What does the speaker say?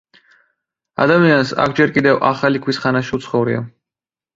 ადამიანს აქ ჯერ კიდევ ახალ ქვის ხანაში უცხოვრია.